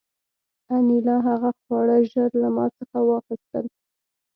انیلا هغه خواړه ژر له ما څخه واخیستل